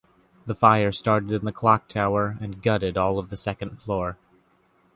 The fire started in the clock tower and gutted all of the second floor.